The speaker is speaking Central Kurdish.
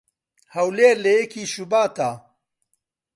"هەولێر لە یەکی شوباتا"